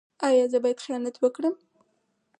ایا زه باید خیانت وکړم؟